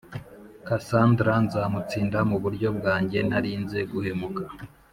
Kassandra nzamutsinda mu buryo bwanjye ntarinze guhemuka